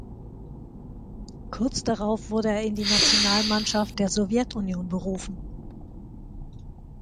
Kurz darauf wurde er in die Nationalmannschaft der Sowjetunion berufen.